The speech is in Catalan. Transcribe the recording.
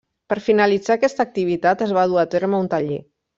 Per finalitzar aquesta activitat es va dur a terme un taller.